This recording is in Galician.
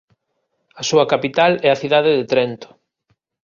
A súa capital é a cidade de Trento.